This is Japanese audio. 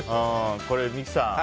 これ、三木さん